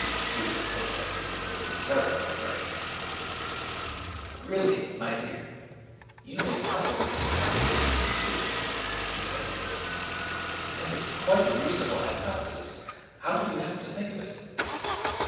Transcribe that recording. Judith looked at her with a startled expression. "Really, my dear, you may possibly have stumbled upon the truth," she said slowly. "That is quite a reasonable hypothesis. How did you happen to think of it?"